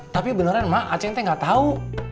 tapi beneran mak aceh saya nggak tahu